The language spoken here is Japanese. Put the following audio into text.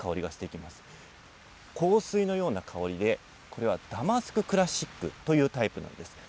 香水のような香りで、これはダマスク・クラッシックというタイプなんです。